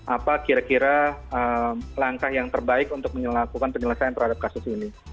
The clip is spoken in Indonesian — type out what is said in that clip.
apa kira kira langkah yang terbaik untuk menyelesaikan peradaban kasus ini